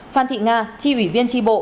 phan thị nga tri ủy viên tri bộ